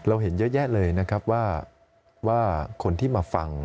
เห็นเยอะแยะเลยนะครับว่าคนที่มาฟัง